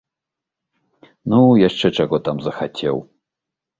Ну, яшчэ чаго там захацеў!